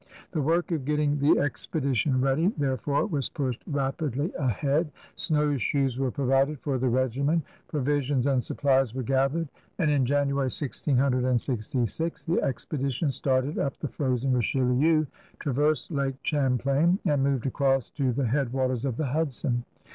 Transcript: The work of getting the expedition ready, there fore, was pushed rapidly ahead. Snowshoes were provided for the regiment, provisions and supplies were gathered, and in January, 1666, the expe dition started up the frozen Richelieu, traversed Lake Champlain, and moved across to the head waters of the Hudson.